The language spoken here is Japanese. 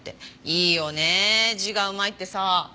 いいよねえ字がうまいってさ。